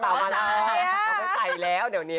ไรแล้วเดี๋ยวนี้